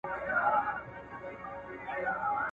هغه کسان چي اقتصادي پلانونه جوړوي باید پوره مسلکي تجربه ولري.